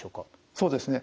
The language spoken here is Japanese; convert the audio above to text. そうですね。